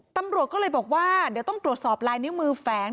ตำรวจก็เลยบอกว่าเดี๋ยวต้องตรวจสอบลายนิ้วมือแฝง